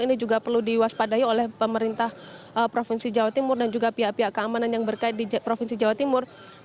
ini juga perlu diwaspadai oleh pemerintah provinsi jawa timur dan juga pihak pihak keamanan yang berkait di provinsi jawa timur